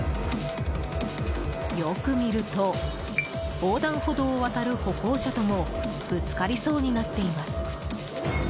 よく見ると横断歩道を渡る歩行者ともぶつかりそうになっています。